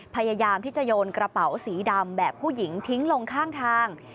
พยายามที่จะโยนกระเป๋าสีดำแบบผู้หญิงทิ้งลงข้างทาง